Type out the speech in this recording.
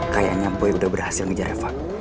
kayaknya boy udah berhasil ngejar reva